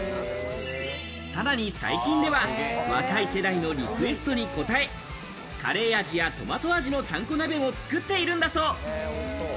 さらに最近では若い世代のリクエストに応え、カレー味やトマト味の、ちゃんこ鍋も作っているんだそう。